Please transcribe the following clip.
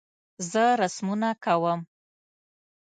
زه رسمونه کوم